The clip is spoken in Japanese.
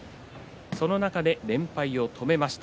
その中で連敗を止めました。